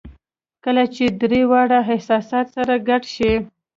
کله چې درې واړه احساسات سره ګډ شي